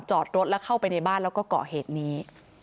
จอดรถแล้วเข้าไปในบ้านแล้วก็เกาะเหตุนี้